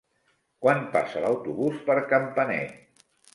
Quan passa l'autobús per Campanet?